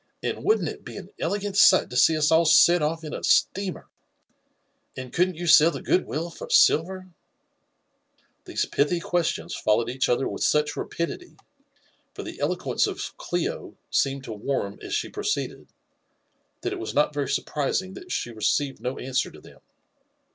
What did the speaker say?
and wouldn't it be an elegant sight to see us all set off in a steamer ? and couldn't you sell the good will for silver ?" These pithy questions followed eadi other with such rapidity — ^fpr the eloquence of Clio seemed to warm as she proceeded — ^ifaat if, if as not very surprising that she received no answer to them.